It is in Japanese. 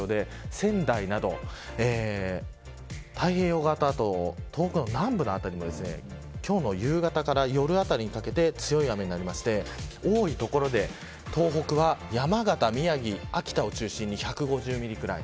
仙台など太平洋側と東北の南部も今日の夕方から夜あたりにかけて強い雨になりまして多い所で東北は山形、宮城、秋田を中心に１５０ミリくらい。